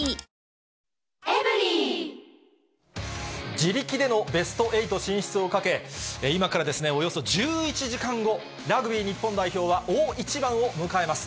自力でのベスト８進出をかけ、今からおよそ１１時間後、ラグビー日本代表は、大一番を迎えます。